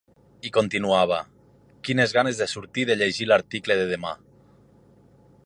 I continuava: Quines ganes de sortir de llegir l’article de demà.